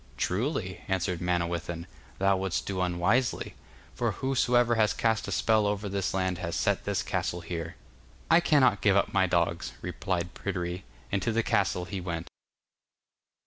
'Truly,' answered Manawyddan, 'thou wouldst do unwisely, for whosoever has cast a spell over this land has set this castle here.' 'I cannot give up my dogs,' replied Pryderi, and to the castle he went.